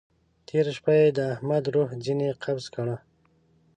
تېره شپه يې د احمد روح ځينې قبض کړه.